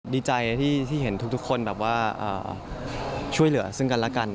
ดีใจที่เห็นทุกคนช่วยเหลือซึ่งกันและกัน